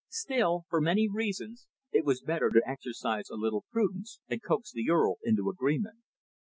Still, for many reasons, it was better to exercise a little prudence, and coax the Earl into agreement.